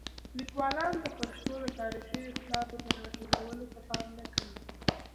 لیکوالان د پښتو د تاریخي اسنادو د راټولولو ته پام نه کوي.